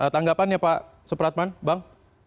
tanggapannya pak supratman bang